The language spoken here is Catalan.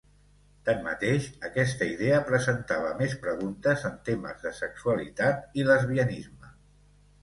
Tanmateix, aquesta idea presentava més preguntes en temes de sexualitat i lesbianisme.